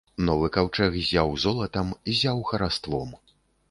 Новы каўчэг ззяў золатам, ззяў хараством.